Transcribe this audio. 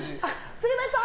鶴瓶さん！